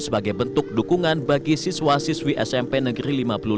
sebagai bentuk dukungan bagi siswa siswi smp negeri lima puluh dua